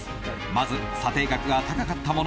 まず査定額が高かった物